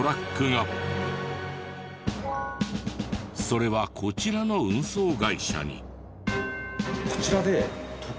それはこちらの運送会社に。